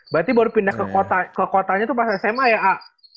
berarti baru pindah ke kotanya tuh pas sma ya